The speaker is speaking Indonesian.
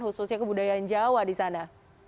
khususnya kebudayaan jawa di sana